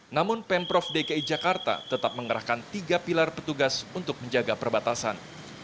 namun pemprov dki jakarta tetap mengerahkan tiga pilar petugas untuk menjaga perbatasan